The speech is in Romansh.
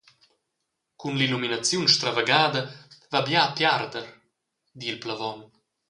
«Cun l’illuminaziun stravagada va bia a piarder», di il plevon.